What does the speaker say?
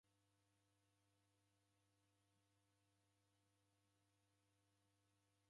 Mwanidu ndekundagha mdu wa w'omi wapo